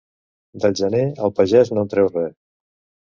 Del gener, el pagès no en treu res.